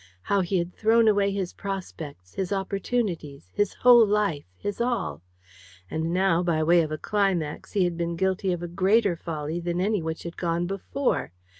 How he had thrown away his prospects, his opportunities, his whole life, his all! And now, by way of a climax, he had been guilty of a greater folly than any which had gone before.